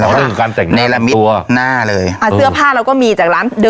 เราก็ต้องการแต่งหน้าตัวในละมิดหน้าเลยอ่าเสื้อผ้าเราก็มีจากร้านเดิน